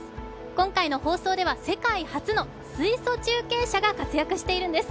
今回の放送では世界初の水素中継車が活躍しているんです。